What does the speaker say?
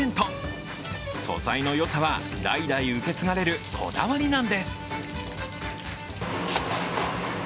素材のよさは代々受け継がれるこだわりなんです。